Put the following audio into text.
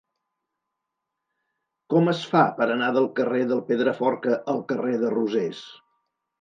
Com es fa per anar del carrer del Pedraforca al carrer de Rosés?